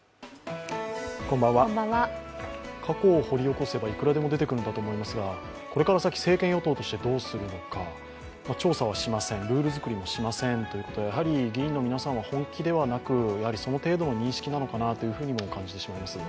過去を掘り起こせばいくらでも出てくるんだと思いますが、これから先、政権与党としてどうするのか、調査はしません、ルール作りもしませんとなるとやはり議員の皆さんは本気ではなく、その程度の認識なのかなというふうにも感じてしまいます。